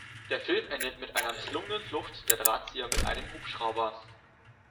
Der Film endet mit einer misslungenen Flucht der Drahtzieher mit einem Hubschrauber.